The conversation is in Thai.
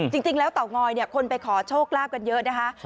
จริงแล้วเตางอยคนไปขอโชคลาภกันเยอะนะคะ